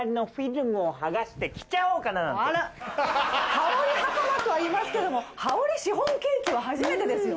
羽織はかまとはいいますけども羽織シフォンケーキは初めてですよ。